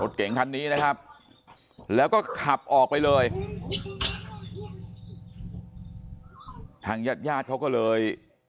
เก่งคันนี้นะครับแล้วก็ขับออกไปเลยทางญาติญาติเขาก็เลย